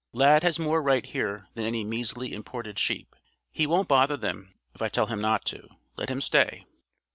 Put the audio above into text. Lad has more right here than any measly imported sheep. He won't bother them if I tell him not to. Let him stay."